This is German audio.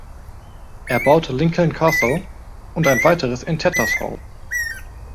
Er baute Lincoln Castle und ein weiteres in Tattershall.